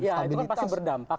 ya itu pasti berdampak